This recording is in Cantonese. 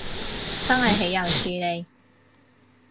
真係豈有此理